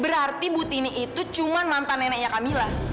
berarti butini itu cuma mantan neneknya kamila